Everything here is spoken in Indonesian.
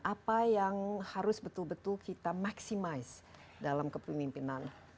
apa yang harus betul betul kita maksimal dalam kepemimpinan